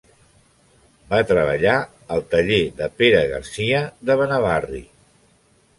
Va treballar al taller de Pere Garcia de Benavarri.